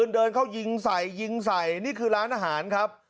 เดินเข้ายิงใส่ยิงใส่นี่คือร้านอาหารครับ